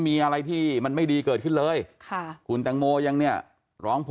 มีอะไรที่มันไม่ดีเกิดขึ้นเลยค่ะคุณแตงโมยังเนี่ยร้องพอ